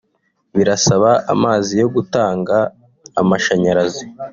Birasaba amazi yo gutanga amashanyarazi